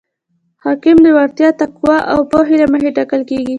حاکم د وړتیا، تقوا او پوهې له مخې ټاکل کیږي.